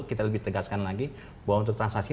kita lebih tegaskan lagi bahwa untuk transaksi